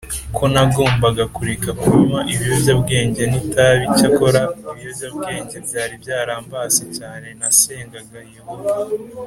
ko nagombaga kureka kunywa ibiyobyabwenge n itabi Icyakora ibiyobyabwenge byari byarambase cyane Nasengaga Yehova